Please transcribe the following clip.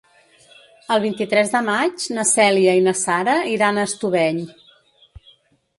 El vint-i-tres de maig na Cèlia i na Sara iran a Estubeny.